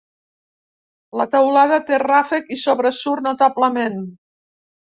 La teulada té ràfec i sobresurt notablement.